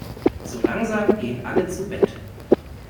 So langsam gehen alle zu Bett.